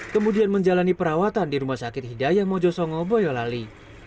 kemudian menjalani perawatan di rumah sakit hidayah mojosongo boyolali